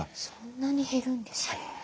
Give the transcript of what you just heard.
そんなに減るんですね。